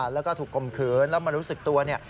แล้วก็ถูกกลมคืนแล้วมันรู้สึกตัวอะไร